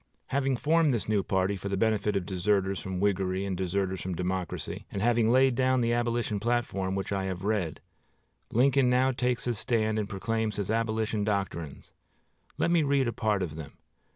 Having formed this new party for the benefit of deserters from Whiggery and deserters from Democracy, and having laid down the Abolition platform which I have read, Lincoln now takes his stand and proclaims his Abolition doctrines. Let me read a part of them.